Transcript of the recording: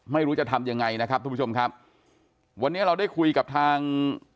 ไม่รู้จะทำยังไงนะครับทุกผู้ชมครับวันนี้เราได้คุยกับทาง